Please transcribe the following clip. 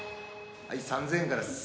３，０００円からです。